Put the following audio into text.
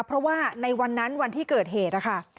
เพราะว่าในวันนั้นวันที่เกิดเหตุนะคะ